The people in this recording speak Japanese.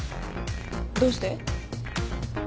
どうして？